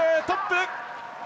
トップ！